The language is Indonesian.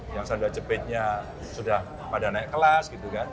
yang sendak jebitnya sudah pada naik kelas gitu kan